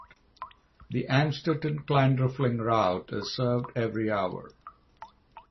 The Amstetten–Kleinreifling route is served every hour.